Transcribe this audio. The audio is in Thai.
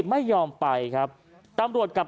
ไม่ยอมไปครับตำรวจกับ